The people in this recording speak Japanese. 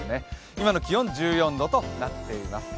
今の気温、１４度となっています。